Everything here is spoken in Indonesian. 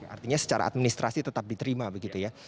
artinya secara administrasi tetap diterima begitu ya